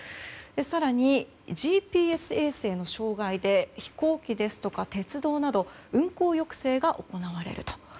さらに、ＧＰＳ衛星の障害で飛行機ですとか鉄道など運行抑制が行われると。